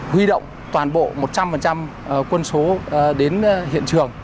huy động toàn bộ một trăm linh quân số đến hiện trường